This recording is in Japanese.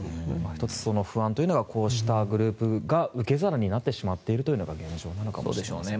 １つその不安というのがこういうグループが受け皿になってしまっているのが現状なのかもしれませんね。